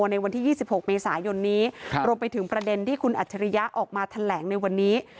ในวันที่๒๖เมษายนนี้รวมไปถึงประเด็นที่คุณอัจฉริยะออกมาแถลงในวันนี้